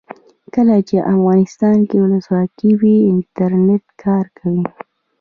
کله چې افغانستان کې ولسواکي وي انټرنیټ کار کوي.